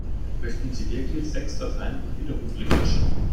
Möchten Sie wirklich sechs Dateien unwiderruflich löschen?